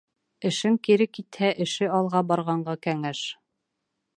Эшең кире китһә, эше алға барғанға кәңәш